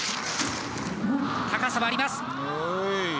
高さはあります！